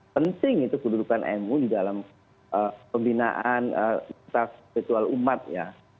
penting itu kedudukan mui dalam pembinaan spiritual umat ya